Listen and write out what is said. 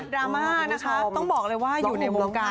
ราม่านะคะต้องบอกเลยว่าอยู่ในวงการ